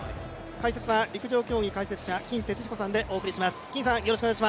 解説は陸上競技解説者金哲彦さんでお送りします。